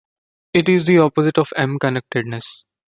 It is the opposite of m-connectedness.